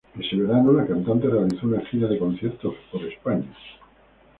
Ese verano la cantante realizó una gira de conciertos por España.